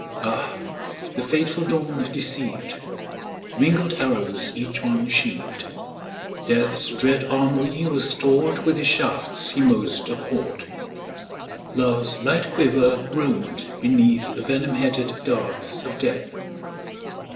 Ah, the fateful dawn deceived! Mingled arrows each one sheaved; Death's dread armoury was stored With the shafts he most abhorred; Love's light quiver groaned beneath Venom headed darts of Death.